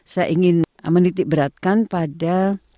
saya ingin menitik beratkan pada